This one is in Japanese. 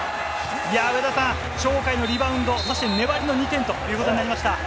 上田さん、鳥海のリバウンド、粘りの２点ということになりました。